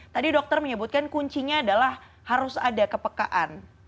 tadi dokter menyebutkan kuncinya adalah harus ada kepekaan